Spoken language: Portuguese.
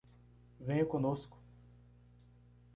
Venha conosco